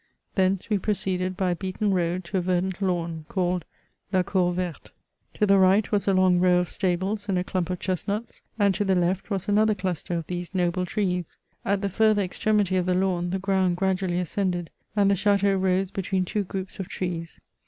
Thence we proceeded by a beaten road to a verdant lawn, called " La cour verte." To the right, was a long row of stables and a clump of chestnuts ; and to the left, was another cluster of these noble trees. At the further extremity of the lawn, the ground gradually ascended, and the chateau rose between two groups of trees.